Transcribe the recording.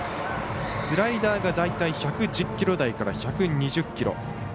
スライダーが大体１１０キロ台から１２０キロ。